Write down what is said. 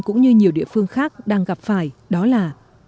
cũng như nhiều địa phương khác đang gặp phải đó là